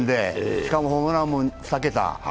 しかもホームランも２桁。